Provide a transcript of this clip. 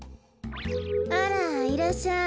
あらいらっしゃい。